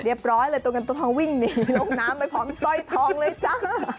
ร้อยเลยตัวเงินตัวทองวิ่งหนีลงน้ำไปพร้อมสร้อยทองเลยจ้า